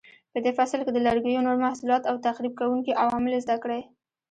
په دې فصل کې د لرګیو نور محصولات او تخریب کوونکي عوامل زده کړئ.